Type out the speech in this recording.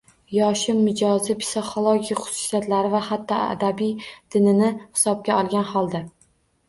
Yoshi, mijozi, psixologik xususiyatlari va hatto adabiy didini hisobga olgan holda